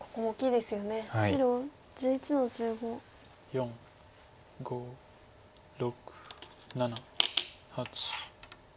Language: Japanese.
４５６７８。